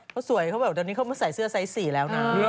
เขาสวยเขาแบบว่าครับเดี๋ยวนี้เข์มาใส่เสื้อไซส์สี่แล้วนะ